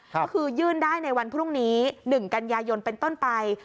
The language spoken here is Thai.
ก็คือยื่นได้ในวันพรุ่งนี้๑กันยายนเป็นต้นไป